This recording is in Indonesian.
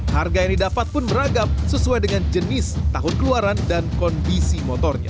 harga yang didapat pun beragam sesuai dengan jenis tahun keluaran dan kondisi motornya